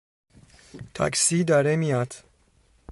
تاکسی داره میاد!